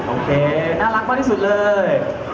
โอเคน่ารักมากที่สุดเลย